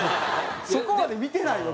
そこまで見てないよ！